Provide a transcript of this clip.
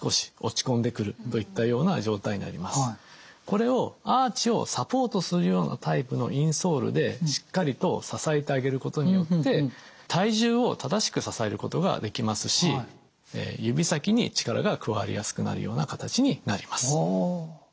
これをアーチをサポートするようなタイプのインソールでしっかりと支えてあげることによって体重を正しく支えることができますし指先に力が加わりやすくなるような形になります。